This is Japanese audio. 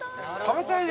食べたい！